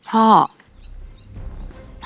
เอ้าปล่อย